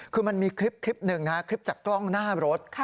คือมันมีคลิปหนึ่งนะฮะคลิปจากกล้องหน้ารถ